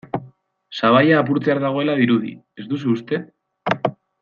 Sabaia apurtzear dagoela dirudi, ez duzu uste?